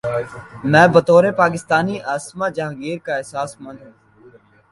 میں بطور پاکستانی عاصمہ جہانگیر کا احساس مند ہوں۔